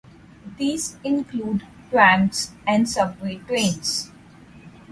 These include trams and subway trains.